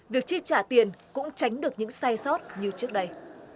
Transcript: việc chi trả tiền cũng tránh được những sai sót như trước đây